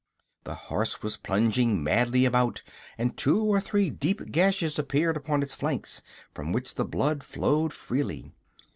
The horse was plunging madly about, and two or three deep gashes appeared upon its flanks, from which the blood flowed freely.